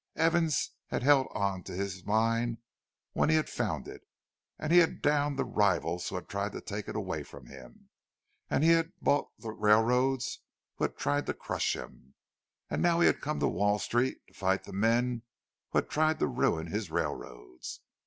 Evans had held on to his mine when he had found it, and he had downed the rivals who had tried to take it away from him, and he had bought the railroads who had tried to crush him—and now he had come to Wall Street to fight the men who had tried to ruin his railroads.